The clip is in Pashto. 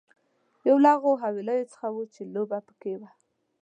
یو له هغو حويليو څخه وه چې لوبه پکې وه.